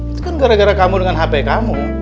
itu kan gara gara kamu dengan hp kamu